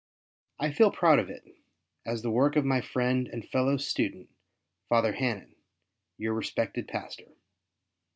I feel proud of it as the Avork of my friend and fellow student. Father Hannan, your respected pastor.